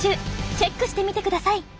チェックしてみてください！